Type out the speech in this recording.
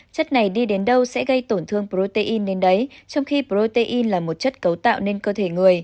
chất này đi đến đâu sẽ gây tổn thương protein đến đấy trong khi protein là một chất cấu tạo nên cơ thể người